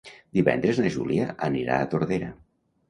Divendres na Júlia anirà a Tordera.